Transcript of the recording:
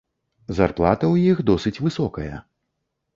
Зарплата ў іх досыць высокая.